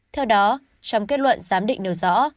theo đó trong kết luận giám định nêu rõ